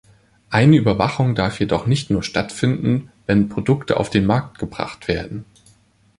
Eine Überwachung darf jedoch nicht nur stattfinden, wenn Produkte auf den Markt gebracht werden.